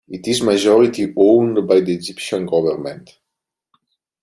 It is majority owned by the Egyptian government.